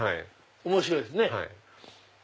面白いですね。